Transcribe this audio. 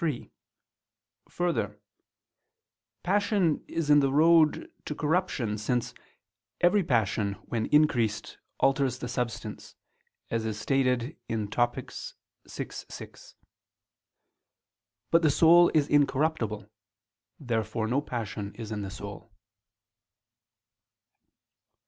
3: Further, passion is the road to corruption; since "every passion, when increased, alters the substance," as is stated in Topic. vi, 6. But the soul is incorruptible. Therefore no passion is in the soul.